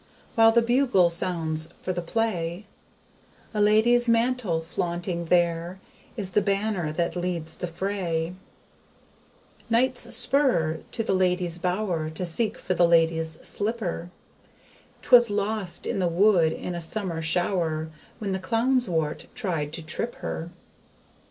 When the BUGLE sounds for the play A LADIES MANTLE flaunting there Is the banner that leads the fray. KNIGHT'S SPUR to the LADIES BOWER To seek for the LADIES SLIPPER. 'Twas lost in the wood in a summer shower When the CLOWN'S WORT tried to trip her.